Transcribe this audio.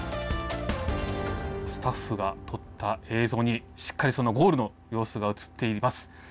スタッフが撮った映像にしっかりそのゴールの様子が映っています。